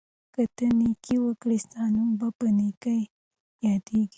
که ته نېکي وکړې، ستا نوم به په نېکۍ یادیږي.